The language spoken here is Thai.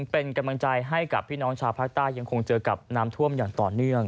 เป็นกำลังใจให้กับพี่น้องชาวภาคใต้ยังคงเจอกับน้ำท่วมอย่างต่อเนื่อง